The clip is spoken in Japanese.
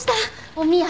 おみや！